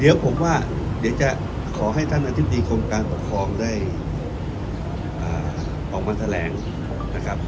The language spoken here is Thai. เดี๋ยวผมว่าเดี๋ยวจะขอให้ท่านรัฐมนตรีโครงการปกครองได้ออกบันแทรงนะครับ